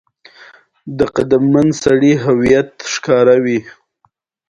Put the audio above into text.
په ټټر کښې مې د تشې احساس کاوه.